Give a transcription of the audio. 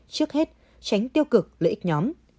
trước hết tránh tiêu cực lợi ích nhóm